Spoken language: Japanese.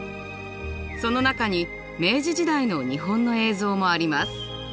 その中に明治時代の日本の映像もあります。